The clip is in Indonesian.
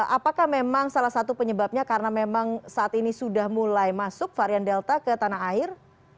apakah memang salah satu penyebabnya karena memang saat ini sudah mulai masuk varian delta ke tanah air